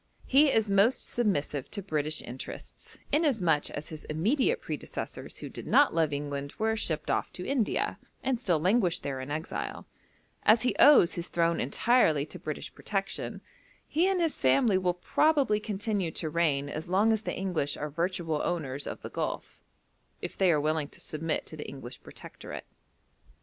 He is most submissive to British interests, inasmuch as his immediate predecessors who did not love England were shipped off to India, and still languish there in exile; as he owes his throne entirely to British protection, he and his family will probably continue to reign as long as the English are virtual owners of the Gulf, if they are willing to submit to the English protectorate.